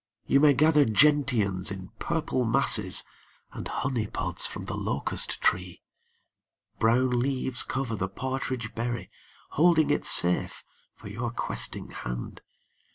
You may gather gentians in purple masses And honeypods from the locust tree. Brown leaves cover the partridge berry, \ Holding it safe for your questing hand.